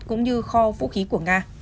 cũng như kho vũ khí của nga